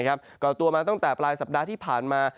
ก่อตัวมาตั้งแต่ปลายสัปดาห์ที่ผ่านมา